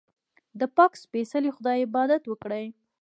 د پاک سپېڅلي خدای عبادت وکړئ.